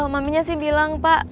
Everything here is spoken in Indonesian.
maminya sih bilang pak